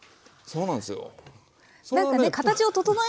そうなんですよ。